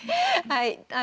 はい。